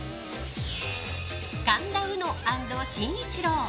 神田うの＆伸一郎。